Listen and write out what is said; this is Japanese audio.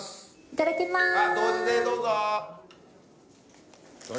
いただきます。